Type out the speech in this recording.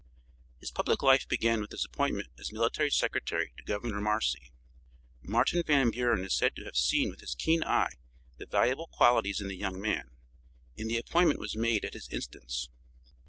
His public life began with his appointment as military secretary to Governor Marcy. Martin Van Buren is said to have seen with his keen eye the valuable qualities in the young man, and the appointment was made at his instance.